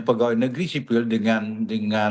pegawai negeri sipil dengan